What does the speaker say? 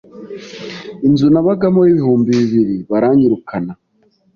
inzu nabagamo y’ibihumbi bibiri baranyirukana